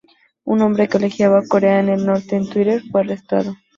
Un hombre que elogiaba a Corea del Norte en Twitter fue arrestado.